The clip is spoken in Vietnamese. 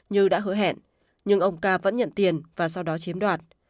như đã hứa hẹn nhưng ông ca vẫn nhận tiền và sau đó chiếm đoạt